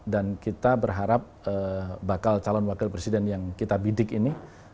dan kita berharap bakal calon wakil presiden yang kita bidik ini